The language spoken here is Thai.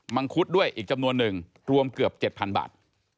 งคุดด้วยอีกจำนวนหนึ่งรวมเกือบ๗๐๐บาท